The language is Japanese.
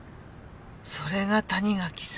それが谷垣さん。